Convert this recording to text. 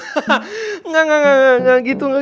enggak enggak enggak